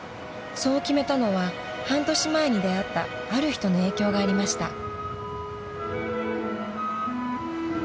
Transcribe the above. そう決めたのは半年前に出会ったある人の影響がありました］